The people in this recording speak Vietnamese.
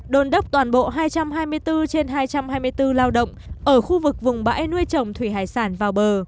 đồn đốc toàn bộ hai trăm hai mươi bốn trên hai trăm hai mươi bốn lao động ở khu vực vùng bãi nuôi trồng thủy hải sản vào bờ